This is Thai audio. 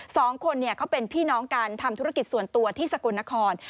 สองคนเนี่ยเขาเป็นพี่น้องกันทำธุรกิจส่วนตัวที่สกลนคร